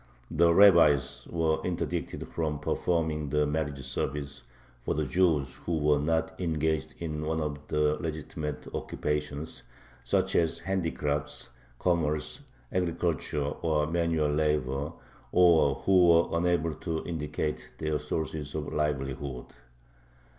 The rabbis were interdicted from performing the marriage service for the Jews who were not engaged in one of the legitimate occupations, such as handicrafts, commerce, agriculture, or manual labor, or who were unable to indicate their sources of livelihood.